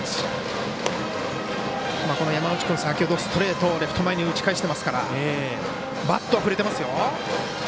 山内君ストレートをレフト前に打ち返してますからバットは振れてますよ。